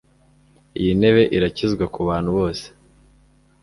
Iyi ntebe irakizwa kubantu bose?